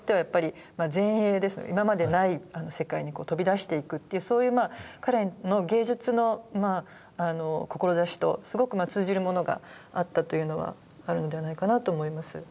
今までない世界に飛び出していくっていうそういう彼の芸術の志とすごく通じるものがあったというのはあるのではないかなと思います。